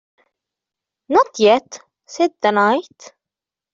‘Not yet,’ said the Knight.